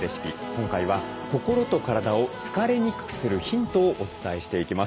今回は心と体を疲れにくくするヒントをお伝えしていきます。